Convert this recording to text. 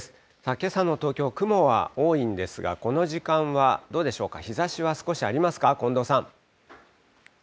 けさの東京、雲は多いんですが、この時間はどうでしょうか、日ざしは少しありますか、近藤さん。